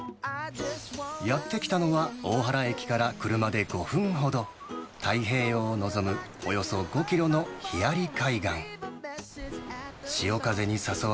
やって来たのは、おおはら駅から車で５分ほど、太平洋を望むおよそ５キロの日在海岸。